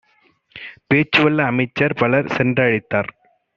பேச்சுவல்ல அமைச்சர்பலர் சென்ற ழைத்தார்.